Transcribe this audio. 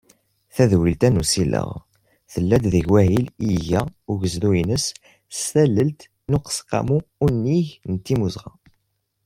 Tadwilt-a n usileɣ, tella-d deg wahil i yega ugezdu-ines s tallelt n Ueqsqamu Unnig n Timmuzɣa.